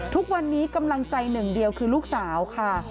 ทุกวันนี้กำลังใจหนึ่งเดียวคือลูกสาวค่ะ